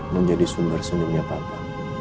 menjadi sumber senyumnya papa